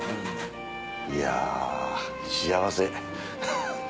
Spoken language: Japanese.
いや幸せ。